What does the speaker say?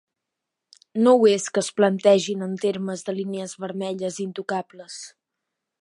No ho és que es plantegin en termes de línies vermelles intocables.